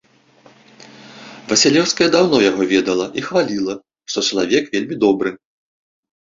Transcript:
Васілеўская даўно яго ведала і хваліла, што чалавек вельмі добры.